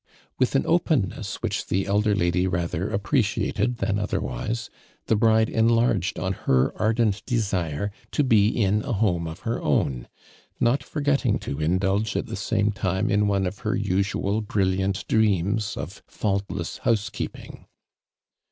With an openness which the elder lady rather appreciated than otherwise, the bride enlarged on her ardent desire to be in a home of her own, not forgetting to ui dulgo at the same time in one of her usual brilliant dreams of faultless house keeping.